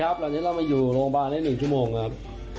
หลังจากนี้เรามาอยู่โรงพยาบาลได้๑ชั่วโมงครับ